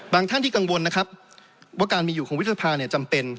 ท่านที่กังวลนะครับว่าการมีอยู่ของวิทภาเนี่ยจำเป็น